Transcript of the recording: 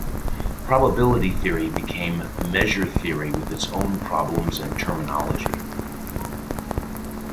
Probability theory became measure theory with its own problems and terminology.